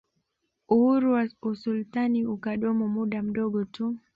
Uhuru wa usultani ukadumu muda mdogo tu